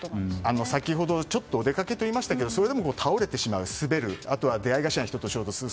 先ほどちょっとお出かけといいましたがそれでも倒れてしまう、滑る出合い頭に人と衝突する。